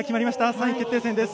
３位決定戦です。